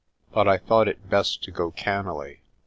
But I thought it best to go cannily.